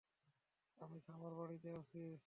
আমি খামারবাড়িতে আছি।